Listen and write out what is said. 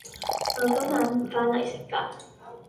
我今晚唔返黎食飯.